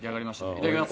いただきます。